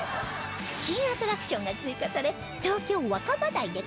新アトラクションが追加され東京若葉台で開催中